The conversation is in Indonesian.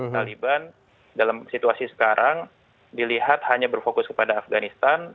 taliban dalam situasi sekarang dilihat hanya berfokus kepada afganistan